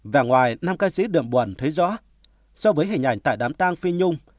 và ngoài năm ca sĩ đượm buồn thấy rõ so với hình ảnh tại đám tang phi nhung